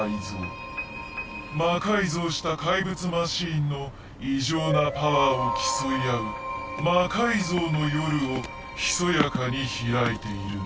魔改造した怪物マシンの異常なパワーを競い合う「魔改造の夜」をひそやかに開いているのだ。